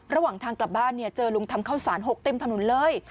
ระหว่างทางกลับบ้านเจอลุงทำข้าวสาร๖เต็มถนนเลย